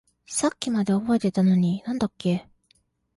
さっきまで覚えていたのに何だっけ？